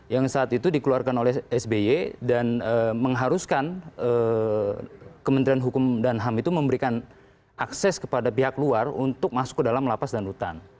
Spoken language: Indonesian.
yang saat itu dikeluarkan oleh sby dan mengharuskan kementerian hukum dan ham itu memberikan akses kepada pihak luar untuk masuk ke dalam lapas dan rutan